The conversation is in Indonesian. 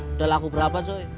udah laku berapa cuy